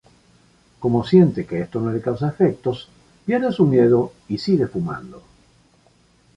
Como siente que esto no le causa efectos, pierde su miedo y sigue fumando.